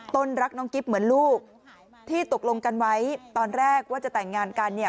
รักน้องกิ๊บเหมือนลูกที่ตกลงกันไว้ตอนแรกว่าจะแต่งงานกันเนี่ย